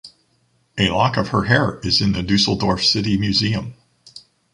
A lock of her hair is in the Düsseldorf City Museum.